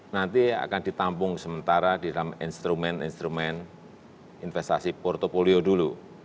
nanti akan ditampung sementara di dalam instrumen instrumen investasi portfolio dulu